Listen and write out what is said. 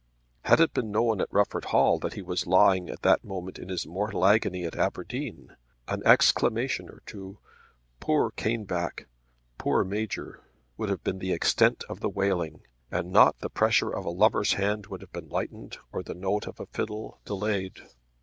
Had it been known at Rufford Hall that he was lying at that moment in his mortal agony at Aberdeen, an exclamation or two, "Poor Caneback!" "poor Major!" would have been the extent of the wailing, and not the pressure of a lover's hand would have been lightened, or the note of a fiddle delayed.